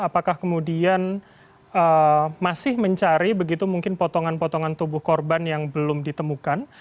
apakah kemudian masih mencari begitu mungkin potongan potongan tubuh korban yang belum ditemukan